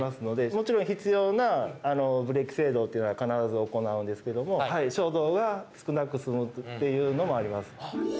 もちろん必要なブレーキ制動というのは必ず行うんですけども衝動が少なく済むっていうのもあります。